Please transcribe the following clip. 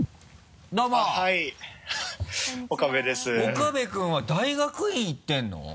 岡部君は大学院行ってるの？